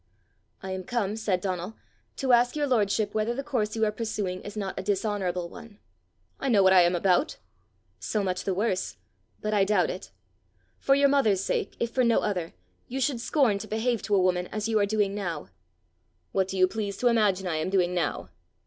"I am come," said Donal, "to ask your lordship whether the course you are pursuing is not a dishonourable one." "I know what I am about." "So much the worse but I doubt it. For your mother's sake, if for no other, you should scorn to behave to a woman as you are doing now." "What do you please to imagine I am doing now?"